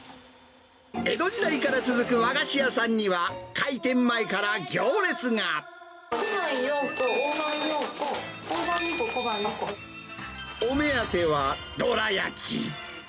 江戸時代から続く和菓子屋さんには、小判４個、お目当ては、どら焼き。